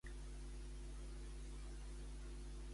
On va anar amb el cardenal Lluís d'Aragó?